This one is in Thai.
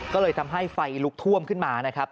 ก็เลยทำให้ไฟลุกท่วมขึ้นมานะครับ